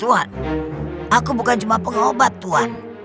tuhan aku bukan cuma pengobat tuhan